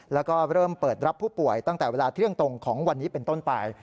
แล้วก็เริ่มเปิดรับผู้ป่วยตั้งแต่เวลาเที่ยงตรงของวันนี้เป็นต้นไป